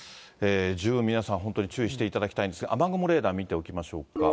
十分皆さん、本当に注意していただきたいんですが、雨雲レーダー見ておきましょうか。